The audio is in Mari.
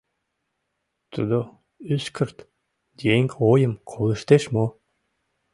Тудо — ӱскырт, еҥ ойым колыштеш мо?